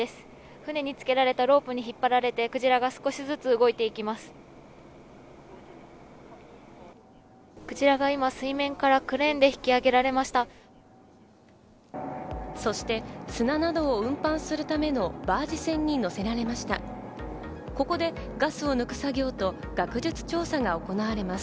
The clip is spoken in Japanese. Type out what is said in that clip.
船に付けられたロープに引っ張られてクジラが少しずつ動いていきます。